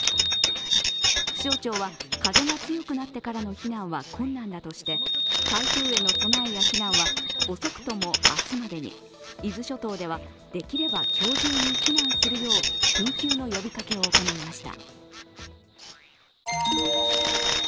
気象庁は風が強くなってからの避難は困難だとして台風への備えや避難は遅くとも明日までに伊豆諸島ではできれば今日中に避難するよう緊急の呼びかけを行いました。